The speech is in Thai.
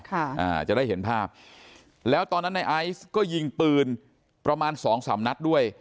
ขออภัยค่ะจะได้เห็นภาพแล้วตอนนั้นในไอศ์ก็ยิงปืนประมาณ๒๓นัฏด้วย